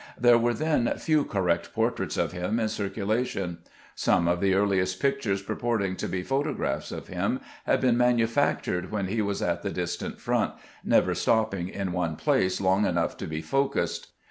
There were then few correct portraits of him in circulation. Some of the earliest pictures purporting to be photo graphs of him had been manufactured when he was at the distant front, never stopping in one place long enough to be " focused."